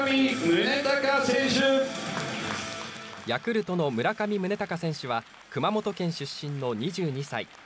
ヤクルトの村上宗隆選手は熊本県出身の２２歳。